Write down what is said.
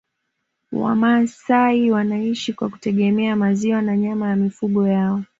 Wamasai wanaishi kwa kutegemea maziwa na nyama ya mifugo yao